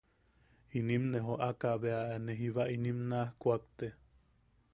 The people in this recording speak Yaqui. Inim ne joʼaka bea ne jiba im naaj kuakte, .